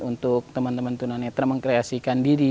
untuk teman teman tunan netral mengkreasikan diri